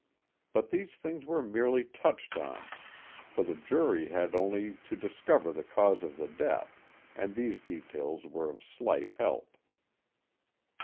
But these things were merely touched on, for the jury had only to discover the cause of the death, and these details were of slight help.